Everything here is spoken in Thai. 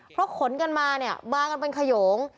เพราะขนกันมาเนี่ยมากันเป็นขยง